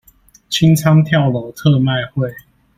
清倉跳樓特賣會